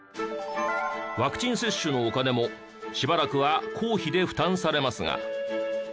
ワクチン接種のお金もしばらくは公費で負担されますが。